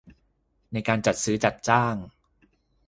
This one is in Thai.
ในการจัดซื้อจัดจ้าง